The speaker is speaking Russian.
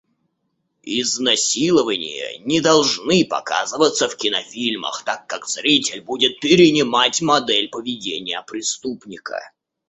Изнасилования не должны показываться в кинофильмах, так как зритель будет перенимать модель поведения преступника.